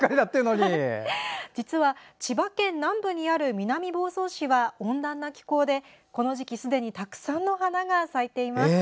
実は千葉県南部にある南房総市は温暖な気候でこの時期すでにたくさんの花が咲いています。